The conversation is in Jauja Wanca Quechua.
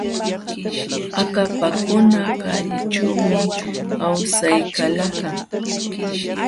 Akapakuna kallićhuumi awsaykalakan.